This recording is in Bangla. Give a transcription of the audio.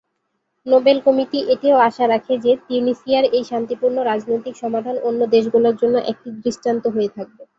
নোবেল কমিটি এটিও আশা রাখে যে, তিউনিসিয়ার এই শান্তিপূর্ণ রাজনৈতিক সমাধান অন্য দেশগুলোর জন্য একটি দৃষ্টান্ত হয়ে থাকবে।